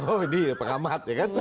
oh ini pengamat ya kan